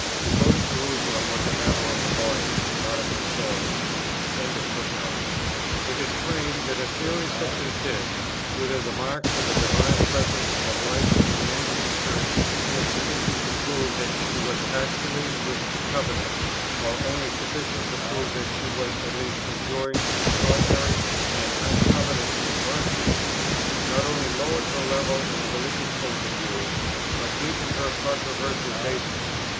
To go to Jerusalem was a matter of the body, not of the soul. It is plain, that a theory such as this, whether the marks of a divine presence and life in the Anglican Church were sufficient to prove that she was actually within the covenant, or only sufficient to prove that she was at least enjoying extraordinary and uncovenanted mercies, not only lowered her level in a religious point of view, but weakened her controversial basis.